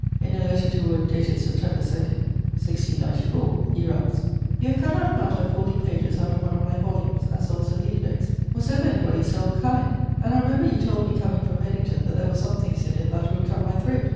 In a letter to Wood, dated Sept. 2, 1694 (MS. Ballard 14, fol. 155), he writes: 'You have cutt out a matter of 40 pages out of one of my volumnes, as also the index. Was ever any body so unkind? And I remember you told me comeing from Hedington that there were some things in it that "would cutt my throat."